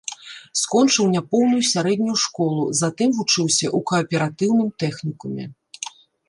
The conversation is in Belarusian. Скончыў няпоўную сярэднюю школу, затым вучыўся ў кааператыўным тэхнікуме.